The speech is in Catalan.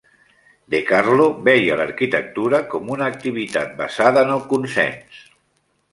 De Carlo veia l'arquitectura com una activitat basada en el consens.